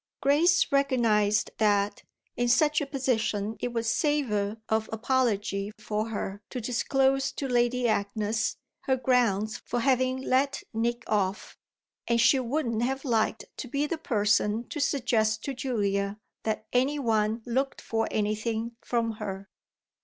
Grace recognised that in such a position it would savour of apology for her to disclose to Lady Agnes her grounds for having let Nick off; and she wouldn't have liked to be the person to suggest to Julia that any one looked for anything from her.